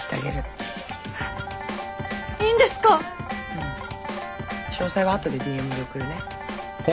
うん詳細は後でＤＭで送るね。